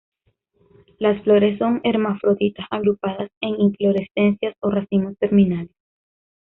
Las flores son hermafroditas agrupadas en inflorescencias o racimos terminales.